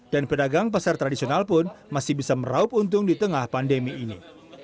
dan pedagang pasar tradisional pun masih bisa meraup untung di tengah pandemi ini